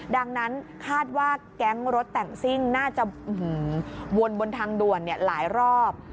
ดังนั้นคาดว่าแก๊งรถแต่งซิ่งน่าจะวนบนทางด่วนหลายรอบ